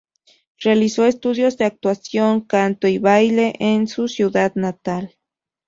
Realizó estudios de actuación, canto y baile en su ciudad natal.